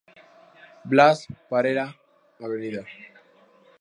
Blas Parera; Av.